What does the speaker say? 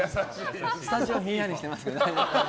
スタジオひんやりしてますけど大丈夫？